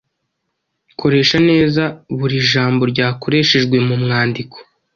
Koresha neza buri jambo ryakoreshejwe mu mwandiko